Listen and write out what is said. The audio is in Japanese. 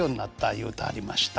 言うてはりました。